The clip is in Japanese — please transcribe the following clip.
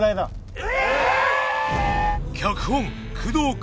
え！